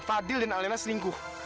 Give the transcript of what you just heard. fadil dan alena selingkuh